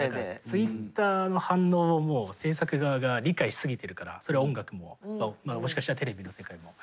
ツイッターの反応をもう制作側が理解しすぎてるからそれは音楽ももしかしたらテレビの世界も。